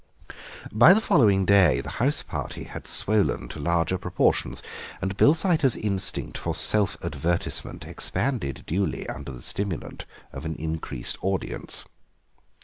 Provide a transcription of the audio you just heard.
By the following day the house party had swollen to larger proportions, and Bilsiter's instinct for self advertisement expanded duly under the stimulant of an increased audience.